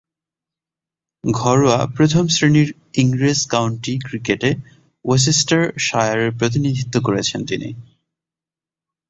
ঘরোয়া প্রথম-শ্রেণীর ইংরেজ কাউন্টি ক্রিকেটে ওরচেস্টারশায়ারের প্রতিনিধিত্ব করেছেন তিনি।